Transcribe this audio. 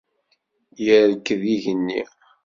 Yerked yigenni.